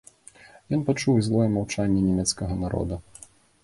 Ён пачуў і злое маўчанне нямецкага народа.